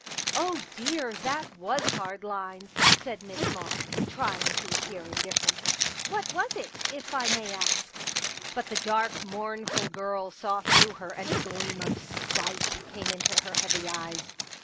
" Oh, dear, that was hard lines," said Miss Moss trying to appear indifferent. " What was it — if I may ask ?" But the dark, mournful girl saw through her and a gleam of spite came into her heavy eyes.